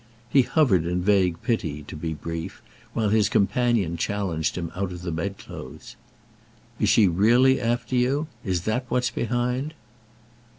He hovered in vague pity, to be brief, while his companion challenged him out of the bedclothes. "Is she really after you? Is that what's behind?"